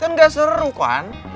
kan gak seru kan